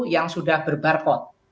yang sudah berbarcode